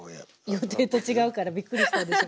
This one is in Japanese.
予定と違うからびっくりしたでしょ。